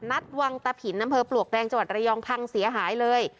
นัดวังตาผิดน้ำเผลอปลวกแรงจวัดระยองพังเสียหายเลย